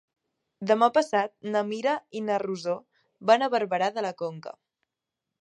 Demà passat na Mira i na Rosó van a Barberà de la Conca.